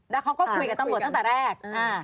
แล้วเขาก็คุยกับตำรวจตั้งแต่แรก